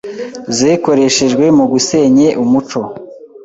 zekoreshejwe mu gusenye umuco,